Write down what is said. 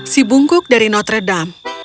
si bungkuk dari notre dame